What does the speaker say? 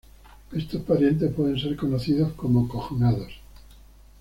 Estos parientes pueden ser conocidos como cognados.